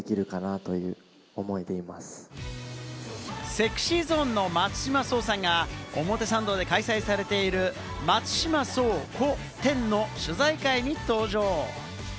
ＳｅｘｙＺｏｎｅの松島聡さんが表参道で開催されている『松島聡コ。